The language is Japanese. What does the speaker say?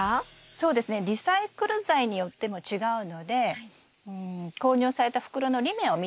そうですねリサイクル材によっても違うのでうん購入された袋の裏面を見て頂くといいと思います。